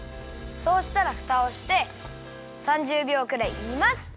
そうしたらフタをして３０びょうくらい煮ます。